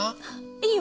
いいよ！